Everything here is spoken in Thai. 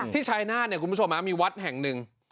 ที่ชายนาฏคุณผู้ชมมั้ยมีวัดแห่งหนึ่ง